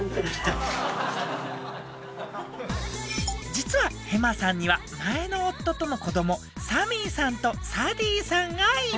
実はヘマさんには前の夫との子どもサミーさんとサディさんがいます。